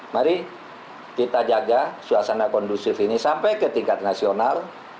mari kita jaga suasana kondusif ini sampai ke tingkat nasional